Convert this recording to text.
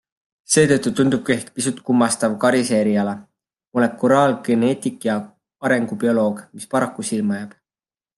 Seetõttu tundubki ehk pisut kummastav Karise eriala - molekulaargeneetik ja arengubioloog -, mis paraku silma jääb.